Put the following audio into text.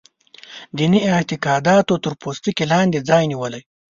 دیني اعتقاداتو تر پوستکي لاندې ځای نیولی.